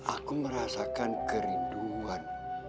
aku merasakan kerinduan